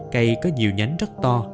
cây có nhiều nhánh rất to